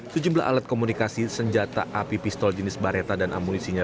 sejumlah alat komunikasi senjata api pistol jenis bareta dan amunisinya